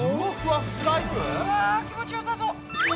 わ気持よさそう！